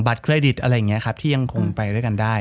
เครดิตอะไรอย่างนี้ครับที่ยังคงไปด้วยกันได้